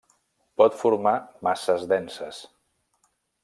Pot formar masses denses.